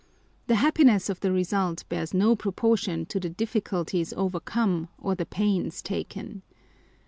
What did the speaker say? The happiness of the result bears no proportion to the difficulties overcome or the pains taken.